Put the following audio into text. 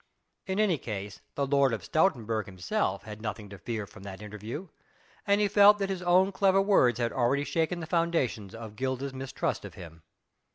In any case the Lord of Stoutenburg himself had nothing to fear from that interview, and he felt that his own clever words had already shaken the foundations of Gilda's mistrust of him.